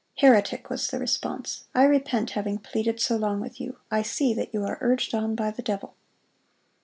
" "Heretic!" was the response, "I repent having pleaded so long with you. I see that you are urged on by the devil."